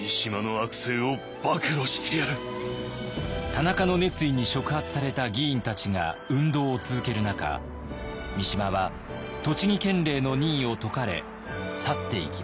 田中の熱意に触発された議員たちが運動を続ける中三島は栃木県令の任を解かれ去っていきました。